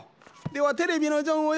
ではテレビのジョンをよぼう。